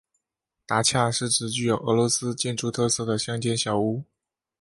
达恰是指具有俄罗斯建筑特色的乡间小屋。